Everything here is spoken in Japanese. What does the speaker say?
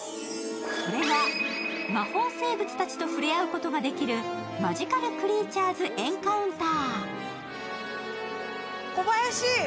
それは魔法生物たちとふれあうことができるマジカル・クリーチャーズ・エンカウンター。